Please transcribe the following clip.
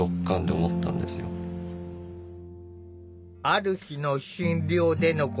ある日の診療でのこと。